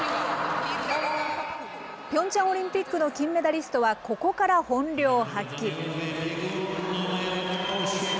ピョンチャンオリンピックの金メダリストは、ここから本領発揮。